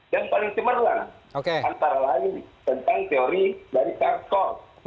dan paling cemerlang antara lain tentang teori dari karl schorr